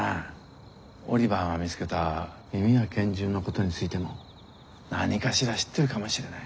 オリバーが見つけた耳や拳銃のことについても何かしら知ってるかもしれない。